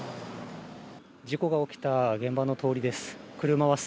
事故が起きた現場の通りです。